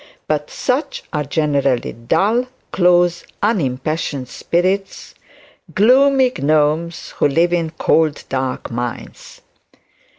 But such are generally dull, close, unimpassioned spirits, 'gloomy gnomes who live in cold dark mines.'